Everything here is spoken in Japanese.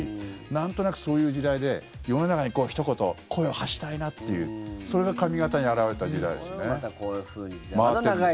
なんとなく、そういう時代で世の中にひと言声を発したいなというそれが髪形に表れた時代ですね。